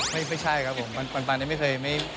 ไม่ใช่ครับผมปันนี้ไม่เคย